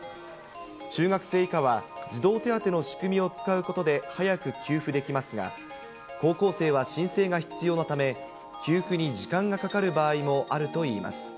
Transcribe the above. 中学生以下は、児童手当の仕組みを使うことで早く給付できますが、高校生は申請が必要なため、給付に時間がかかる場合もあるといいます。